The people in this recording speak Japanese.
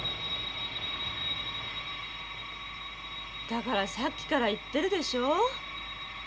だからさっきから言ってるでしょう？